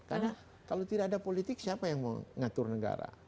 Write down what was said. karena kalau tidak ada politik siapa yang mengatur negara